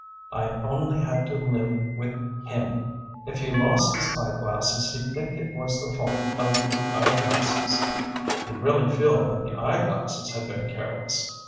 I only had to live with him.... If he lost his eye glasses he'd think it was the fault of the eye glasses; he'd really feel that the eyeglasses had been careless.